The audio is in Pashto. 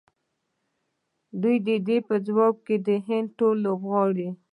د دې په ځواب کې د هند ټول لوبغاړي